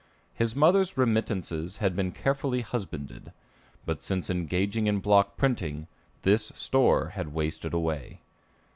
His mother's remittances had been carefully husbanded; but since engaging in block printing, this store had wasted away.